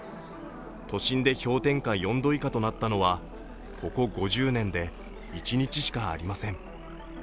都心で氷点下４度以下となったのはここ５０年で一日しかありません。